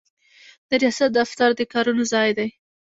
د ریاست دفتر د کارونو ځای دی.